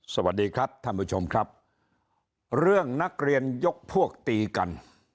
สวัสดีครับท่านผู้ชมครับเรื่องนักเรียนยกพวกตีกัน